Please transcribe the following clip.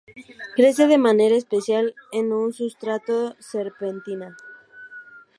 Crece de manera especial en un sustrato serpentina.